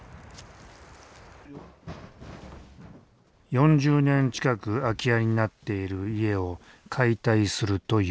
４０年近く空き家になっている家を解体するという。